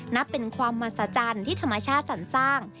นับเป็นความมหัศจรรย์ที่ธรรมชาติสรรสร้าง